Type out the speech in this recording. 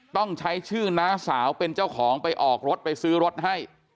ต้องใช้ชื่อน้าสาวเป็นเจ้าของไปออกรถไปซื้อรถให้